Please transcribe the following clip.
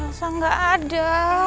elsa gak ada